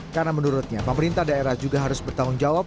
karena menurutnya pemerintah daerah juga harus bertanggung jawab